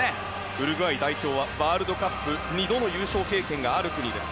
ウルグアイ代表はワールドカップで２度の優勝経験がある国です。